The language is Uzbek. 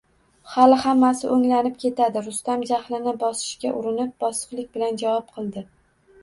Hali hammasi o`nglanib ketadi, Rustam jahlini bosishga urinib, bosiqlik bilan javob qildi